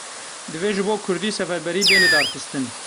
Divê ji bo kurdî seferberî bê lidarxistin.